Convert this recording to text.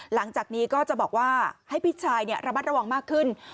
หลังจากนี้ก็จะบอกว่าให้พี่ชายระมัดระวังมากขึ้น